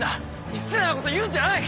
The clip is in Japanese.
失礼なこと言うんじゃない！